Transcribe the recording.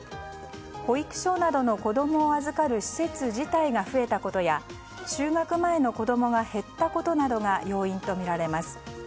保育所などの子供を預かる施設自体が増えたことや就学前の子供が減ったことなどが要因とみられます。